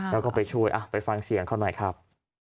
แล้วก็ไปช่วยไปฟังเสียงเขาหน่อยครับ